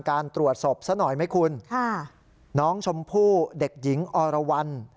การตรวจศพซะหน่อยไหมคุณค่ะน้องชมพู่เด็กหญิงอรวรรณ